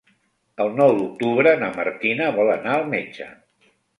El nou d'octubre na Martina vol anar al metge.